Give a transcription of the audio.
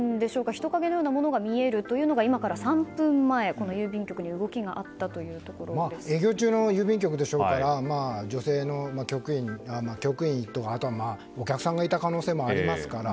人影のようなものが見えるというものが今から３分ほど前この郵便局で営業中の郵便局でしょうから局員とかあとはお客さんがいた可能性もありますから。